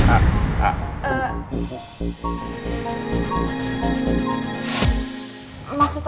apa kamu ada di sini